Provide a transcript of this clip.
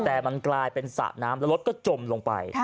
แต่มันกลายเป็นสระน้ำแล้วรถก็จมลงไป